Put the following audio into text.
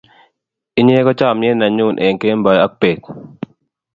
inye ko chamiet ne nyun eng' kemboi ak bet